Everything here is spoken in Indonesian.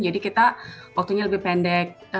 jadi kita waktunya lebih pendek